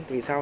tại vì sao